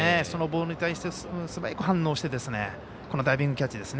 そのボールに対して素早く反応してダイビングキャッチ。